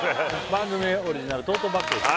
番組オリジナルトートバッグです